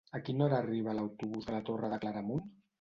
A quina hora arriba l'autobús de la Torre de Claramunt?